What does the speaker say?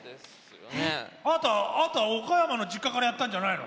あなた、岡山の実家からやったんじゃないの？